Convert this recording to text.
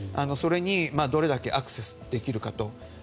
それにどれだけアクセスできるか。